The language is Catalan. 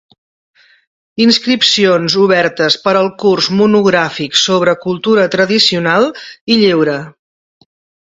Inscripcions obertes per al Curs monogràfic sobre Cultura Tradicional i Lleure.